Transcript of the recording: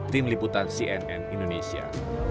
tim liputan cnn indonesia